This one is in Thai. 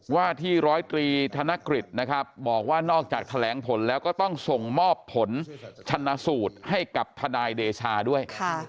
ว่าที่ร้อยตรีธนกฤษนะครับบอกว่านอกจากแถลงผลแล้วก็ต้องส่งมอบผลชนะสูตรให้กับทนายเดชาด้วย